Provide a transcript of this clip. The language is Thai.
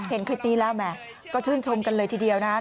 เห็นคลิปนี้แล้วแหมก็ชื่นชมกันเลยทีเดียวนะครับ